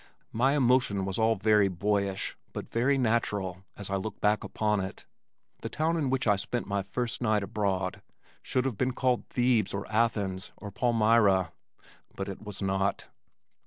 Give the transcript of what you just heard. My emotion was all very boyish, but very natural as I look back upon it. The town in which I spent my first night abroad should have been called Thebes or Athens or Palmyra; but it was not.